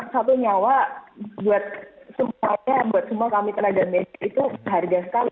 dan satu nyawa buat semuanya buat semua kami tenaga negeri itu harga sekali